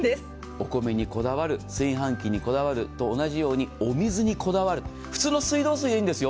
お米にこだわる、炊飯器にこだわると同じようにお水にこだわる、普通の水道水でいいんですよ。